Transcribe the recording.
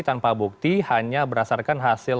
tanpa bukti hanya berdasarkan hasil